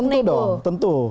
oh iya tentu dong tentu